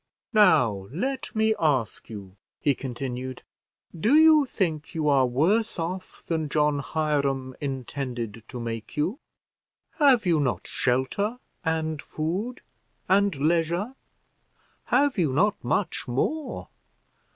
"Now let me ask you," he continued: "do you think you are worse off than John Hiram intended to make you? Have you not shelter, and food, and leisure? Have you not much more?